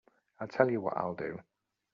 I'll tell you what I'll do.